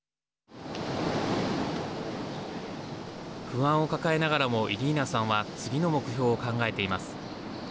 不安を抱えながらもイリーナさんは次の目標を考えています。